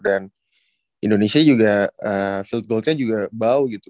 dan indonesia juga field goal nya juga bau gitu